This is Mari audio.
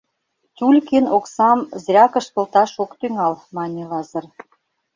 Тюлькин оксам зря кышкылташ ок тӱҥал, — мане Лазыр.